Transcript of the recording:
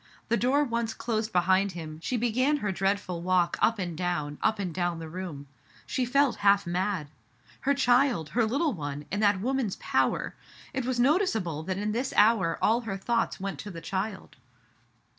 The door once closed be hind him, she began her dreadful walk up and down, up and down the room. She felt half mad. Digitized by Google Mrs, HUNGERF6RD, l7t Her child — her little one, in that woman's power. It was noticeable that in this hour all her thoughts went to the child.